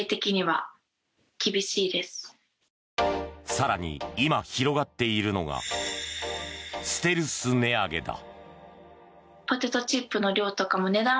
更に今広がっているのがステルス値上げだ。